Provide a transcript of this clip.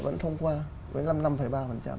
vẫn thông qua với năm mươi năm ba